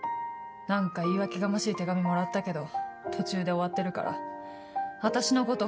何か言い訳がましい手紙もらったけど途中で終わってるから私のこと